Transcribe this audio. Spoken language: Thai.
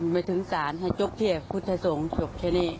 ไปถึงศาลให้จบที่พุทธสงฆ์จบแค่นี้